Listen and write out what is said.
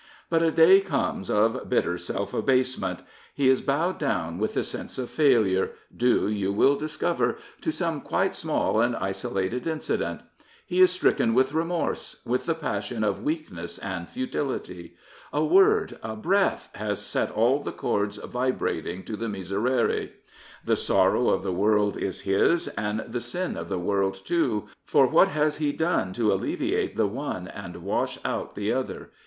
But a day comes of bitter self abasement. He is bowed down with the sense of failure, due, you will discover, to some quite small and isolated incident. He is stricken with remorse, with the passion of weakness and futility. A word, a breath, has set all the chords vibrating to the miserere. The sorrow of the world is his, and the sin of the world too, for what has he done to alleviate the one and wash out the other?